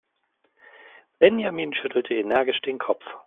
Benjamin schüttelte energisch den Kopf.